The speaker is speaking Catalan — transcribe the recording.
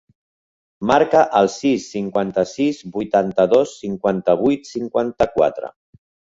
Marca el sis, cinquanta-sis, vuitanta-dos, cinquanta-vuit, cinquanta-quatre.